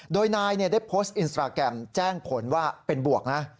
โดยนายได้โพสต์อินสตราแกรมแจ้งผลว่าเป็นบวกนะ